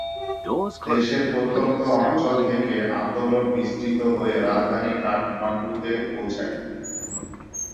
দেশের প্রত্যন্ত অঞ্চল থেকে আন্দোলন বিস্তৃত হয়ে রাজধানী কাঠমান্ডুতে পৌঁছায়।